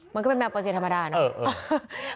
มันก็เป็นแมวเปอร์เซียธรรมดาเนาะ